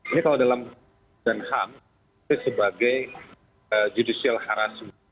ini kalau dalam dan ham sebagai judicial harassment